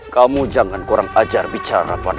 kau bukanlah apa apa